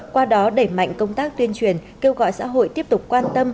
qua đó đẩy mạnh công tác tuyên truyền kêu gọi xã hội tiếp tục quan tâm